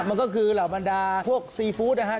มันก็คือเหล่าบรรดาพวกซีฟู้ดนะครับ